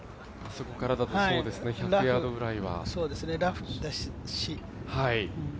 そこからだとそうですね、１００ヤードくらいは。